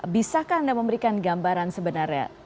bisakah anda memberikan gambaran sebenarnya